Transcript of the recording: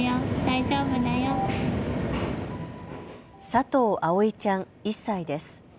佐藤葵ちゃん、１歳です。